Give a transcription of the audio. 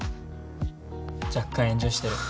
若干炎上してる。